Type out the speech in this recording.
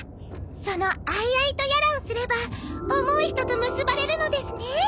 そのアイアイとやらをすれば思う人と結ばれるのですね！